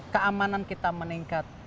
keamanan kita meningkat